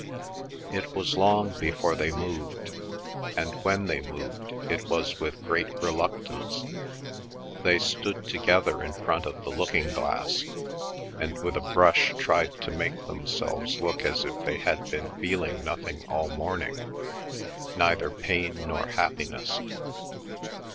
It was long before they moved, and when they moved it was with great reluctance. They stood together in front of the looking glass, and with a brush tried to make themselves look as if they had been feeling nothing all the morning, neither pain nor happiness.